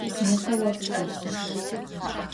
Nêpe vos khêsı.